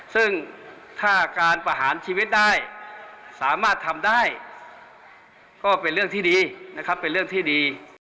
ซึ่งถ้าการประหารชีวิตได้สามารถทำได้ก็เป็นเรื่องที่ดีนะครับเป็นเรื่องที่ดี